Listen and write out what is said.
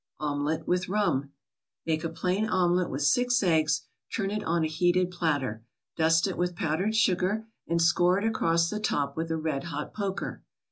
OMELET WITH RUM Make a plain omelet with six eggs, turn it on a heated platter. Dust it with powdered sugar, and score it across the top with a red hot poker.